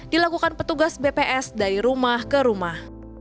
dilakukan petugas bps dari rumah ke rumah